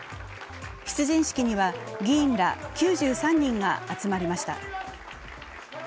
出陣式には議員ら９３人が集まりました。